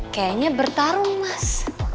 kayaknya bertarung mas